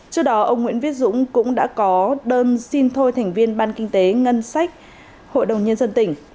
trước đó ông nguyễn viết dũng cũng đã có đơn xin thôi thành viên ban kinh tế ngân sách hội đồng nhân dân tỉnh